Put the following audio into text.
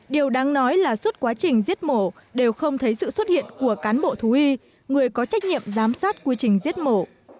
điều đáng nói là suốt quá trình giết mổ đều không thấy sự xuất hiện của cán bộ thú y người có trách nhiệm giám sát quy trình giết mổ